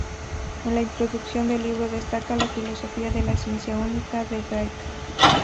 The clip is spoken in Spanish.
En la introducción del libro destaca la filosofía de la ciencia única de Goethe.